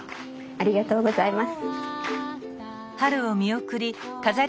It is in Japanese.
ありがとうございます。